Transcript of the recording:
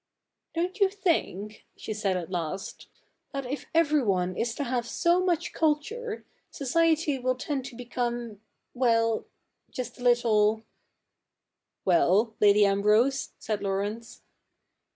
' Don't you think,' she said at last, ' that if everyone is to have so much culture, society will tend to become — well — just a little ' 'Well, Lady Ambrose?' said Laurence.